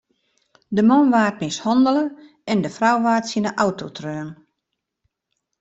De man waard mishannele en de frou waard tsjin de auto treaun.